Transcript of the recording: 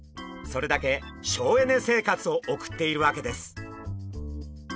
それだけ省エネ生活を送っているわけです。